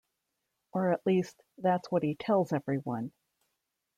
Or, at least, that's what he tells everyone.